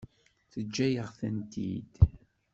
Teǧǧa-yaɣ-tent-id.